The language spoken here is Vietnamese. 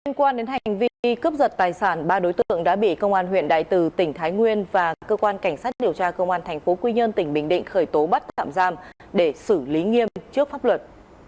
liên quan đến hành vi cướp giật tài sản ba đối tượng đã bị công an huyện đại từ tỉnh thái nguyên và cơ quan cảnh sát điều tra công an tp quy nhơn tỉnh bình định khởi tố bắt tạm giam để xử lý nghiêm trước pháp luật